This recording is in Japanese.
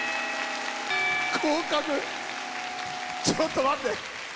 ちょっと待って。